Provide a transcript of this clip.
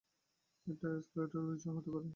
এটা স্কারলেট উইচও হতে পারে।